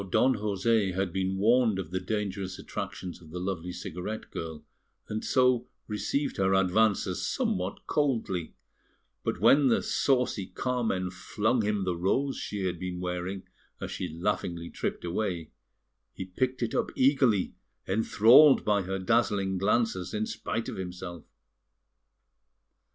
Now Don José had been warned of the dangerous attractions of the lovely cigarette girl, and so received her advances somewhat coldly; but when the saucy Carmen flung him the rose she had been wearing as she laughingly tripped away, he picked it up eagerly, enthralled by her dazzling glances in spite of himself.